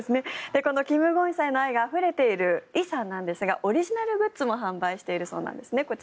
このキム・ゴンヒさんへの愛があふれているイさんなんですがオリジナルグッズも販売しているそうなんですね。